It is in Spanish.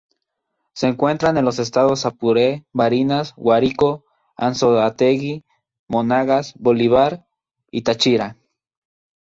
Se encuentran en los estados Apure, Barinas, Guárico, Anzoátegui, Monagas, Bolívar y Táchira.